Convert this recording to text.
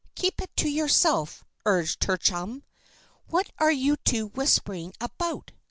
Keep it to yourself," urged her chum. "What are you two whispering about?"